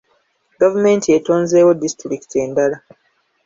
Gavumenti etonzeewo disitulikiti endala.